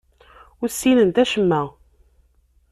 Ur ssinent acemma.